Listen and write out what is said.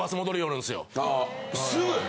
すぐ。